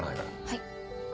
はい。